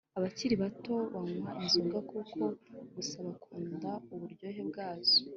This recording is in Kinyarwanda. Abakiri bato banywa inzoga kuko gusa bakunda uburyohe bwazo